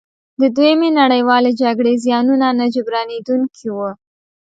د دویمې نړیوالې جګړې زیانونه نه جبرانیدونکي وو.